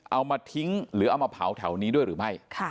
เอามาทิ้งหรือเอามาเผาแถวนี้ด้วยหรือไม่